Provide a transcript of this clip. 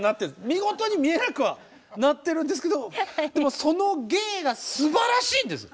見事に見えなくはなってるんですけどでもその芸がすばらしいんです。